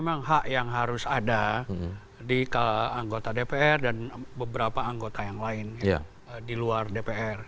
memang hak yang harus ada di anggota dpr dan beberapa anggota yang lain di luar dpr